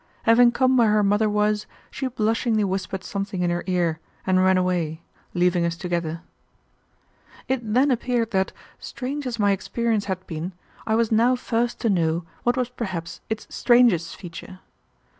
Having come where her mother was, she blushingly whispered something in her ear and ran away, leaving us together. It then appeared that, strange as my experience had been, I was now first to know what was perhaps its strangest feature.